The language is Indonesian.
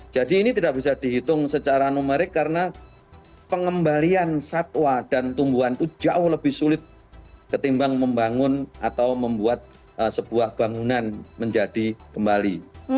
jadi ini tidak bisa dihitung secara numerik karena pengembalian satwa dan tumbuhan itu jauh lebih sulit ketimbang membangun atau membuat sebuah bangunan menjadi kembali